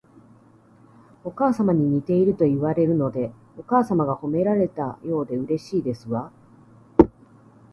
お母様に似ているといわれるので、お母様が褒められたようでうれしいですわ